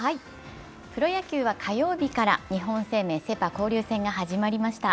プロ野球は火曜日から日本生命セ・パ交流戦が始まりました。